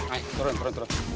ayo turun turun turun